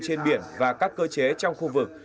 trên biển và các cơ chế trong khu vực